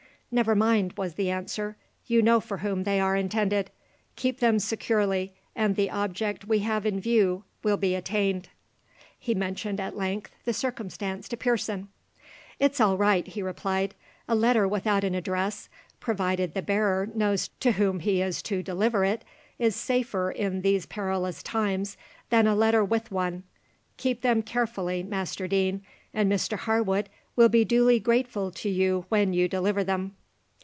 "Never mind," was the answer, "you know for whom they are intended. Keep them securely, and the object we have in view will be attained." He mentioned, at length, the circumstance to Pearson. "It's all right," he replied; "a letter without an address, provided the bearer knows to whom he is to deliver it, is safer in these perilous times than a letter with one. Keep them carefully, Master Deane, and Mr Harwood will be duly grateful to you when you deliver them."